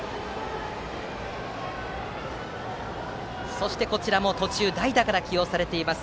そして、こちらも途中代打から起用されています